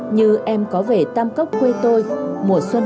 như em có về tam cốc quê tôi mùa xuân